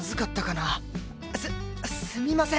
すすみません。